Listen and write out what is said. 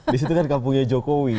di situ kan kampungnya jokowi